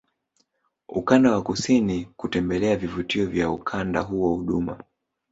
ukanda wa kusini kutembelea vivutio vya ukanda huo Huduma